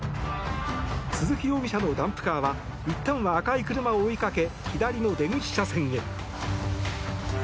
鈴木容疑者のダンプカーはいったんは赤い車を追いかけ左の出口車線へ。